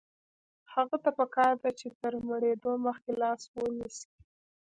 هغه ته پکار ده چې تر مړېدو مخکې لاس ونیسي.